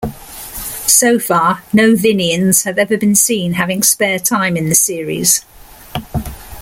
So far, no Vineans have ever been seen having spare time in the series.